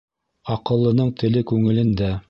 Аҡыллының теле күңелендә.